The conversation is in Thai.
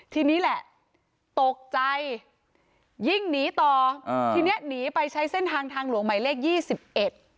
ทีนี้แหละตกใจยิ่งหนีต่ออ่าทีเนี้ยหนีไปใช้เส้นทางทางหลวงหมายเลขยี่สิบเอ็ด